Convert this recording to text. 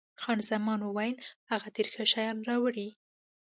خان زمان وویل، هغه ډېر ښه شیان راوړي.